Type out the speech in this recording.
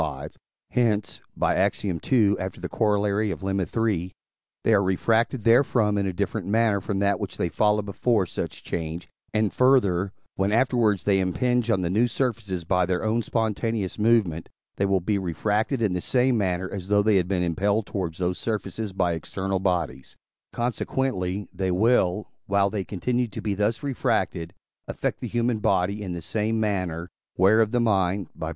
v.); hence (Ax. ii., after the Coroll. of Lemma iii.) they are refracted therefrom in a different manner from that which they followed before such change; and, further, when afterwards they impinge on the new surfaces by their own spontaneous movement, they will be refracted in the same manner, as though they had been impelled towards those surfaces by external bodies; consequently, they will, while they continue to be thus refracted, affect the human body in the same manner, whereof the mind (II.